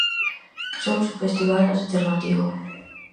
Somos un festival alternativo.